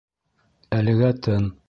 Әлегә тын.